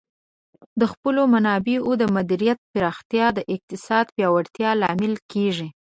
د خپلو منابعو د مدیریت پراختیا د اقتصاد پیاوړتیا لامل کیږي.